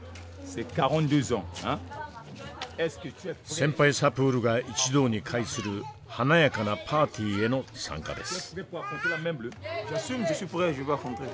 先輩サプールが一堂に会する華やかなパーティーへの参加です。